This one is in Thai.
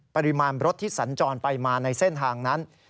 ปริมาณรถที่สัญจรไปมาในเส้นทางนั้น